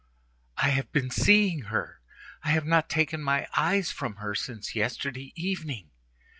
I have been seeing her; I have not taken my eyes from her since yesterday evening.